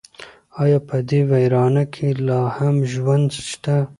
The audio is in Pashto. ایا په دې ویرانه کې لا هم ژوند شته؟